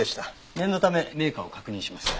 念のためメーカーを確認します。